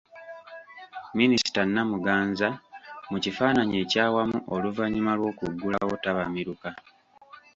Minisita Namuganza mu kifaananyi ekyawamu oluvannyuma lw'okuggulawo tabamiruka.